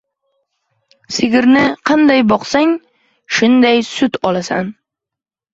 • Sigirni qanday boqsang, shunday sut olasan.